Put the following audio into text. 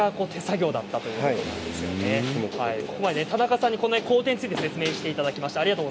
ここまで田中さんに工程について説明していただきました。